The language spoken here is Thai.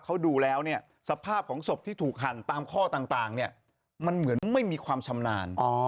เขาดูแล้วเนี่ยสภาพของศพที่ถูกหั่นตามข้อต่างเนี่ยมันเหมือนไม่มีความชำนาญ